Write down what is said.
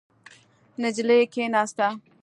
نجلۍ کېناسته.